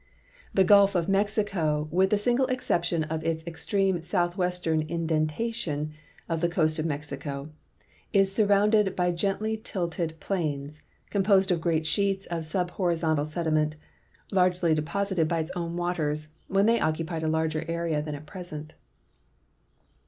Tlie gulf of Mexico, with the single exception of its extreme southwestern indentation of the coast of Mexico, is surrounded l)v gently tilted plains, composed of great sheets of sul)horizontal sediment, largely dej)osited by its own waters when the}' occu })ied a larger area tlian at present.